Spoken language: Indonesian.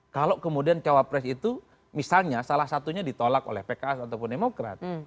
kalau kemudian cawapres itu misalnya salah satunya ditolak oleh pks ataupun demokrat